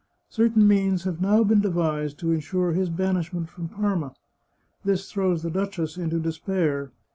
Certain means have now been devised to insure his banishment from Parma. This throws the duchess into de spair.